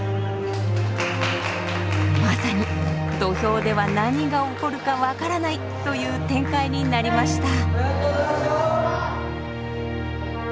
まさに土俵では何が起こるか分からないという展開になりました。